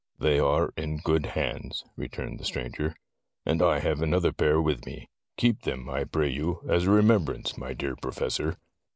"They are in good hands," returned the stranger, "and I have another pair with me. Keep them, I pray you, as a remembrance, my dear Professor."